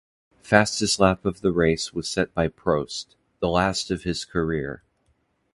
Fastest lap of the race was set by Prost, the last of his career.